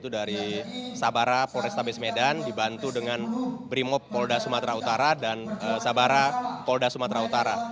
di sabara polresta besmedan dibantu dengan brimop polda sumatera utara dan sabara polda sumatera utara